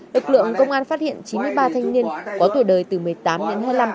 lực lượng công an phát hiện chín mươi ba thanh niên có tuổi đời từ một mươi tám đến hai mươi năm